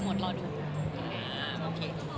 มันยอดทั้งประโยคเกิด